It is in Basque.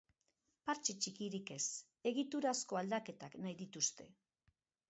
Partxe txikirik ez, egiturazko aldaketak nahi dituzte.